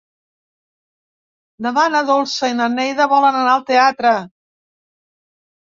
Demà na Dolça i na Neida volen anar al teatre.